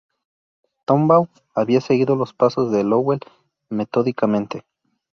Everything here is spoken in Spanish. Tombaugh había seguido los pasos de Lowell metódicamente.